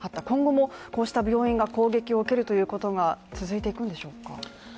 今後も、こうした病院が攻撃を受けるということが続いていくんでしょうか。